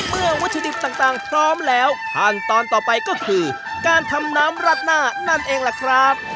เมื่อวัตถุดิบต่างพร้อมแล้วขั้นตอนต่อไปก็คือการทำน้ำรัดหน้านั่นเองล่ะครับ